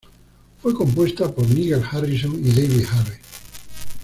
Fue compuesta por Nigel Harrison y Debbie Harry.